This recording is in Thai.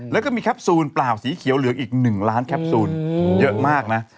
แล้วก็มีแคปซูลเปล่าสีเขียวเหลืองอีก๑ล้านแคปซูลเยอะมากนะ